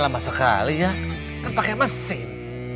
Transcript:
lama sekali ya kan pakai mesin